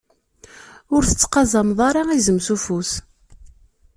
Ur tettqazameḍ ara izem s ufus.